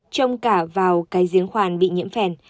trong cả vào cái giếng khoàn bị nhiễm phèn